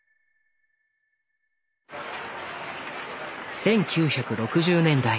１９６０年代